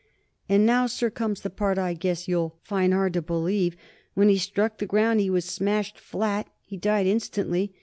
"And now, sir, comes the part I guess you'll find hard to believe. When he struck the ground, he was smashed flat; he died instantly.